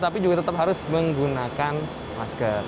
tapi juga tetap harus menggunakan masker